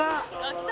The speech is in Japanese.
「来た！」